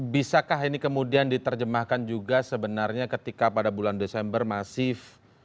bisakah ini kemudian diterjemahkan juga sebenarnya ketika pada bulan desember masif